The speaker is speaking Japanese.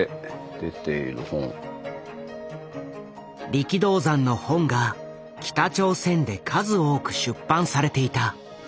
力道山の本が北朝鮮で数多く出版されていた。